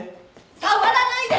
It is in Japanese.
触らないで！